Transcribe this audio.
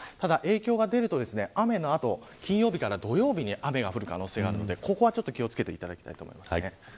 ただ影響が出ると雨の後金曜日から土曜日に雨が降る可能性があるのでここは、ちょっと気を付けてほしいと思います。